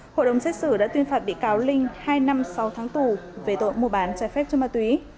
hội đồng xét xử đã tuyên phạt bị cáo linh hai năm sáu tháng tù về tội mua bán trái phép cho ma túy